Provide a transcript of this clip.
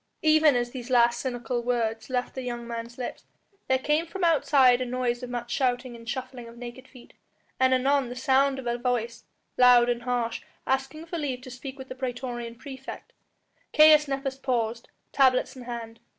Even as these last cynical words left the young man's lips there came from outside the noise of much shouting and shuffling of naked feet, and anon the sound of a voice, loud and harsh, asking for leave to speak with the praetorian praefect. Caius Nepos paused, tablets in hand.